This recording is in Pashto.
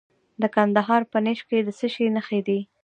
د کندهار په نیش کې د څه شي نښې دي؟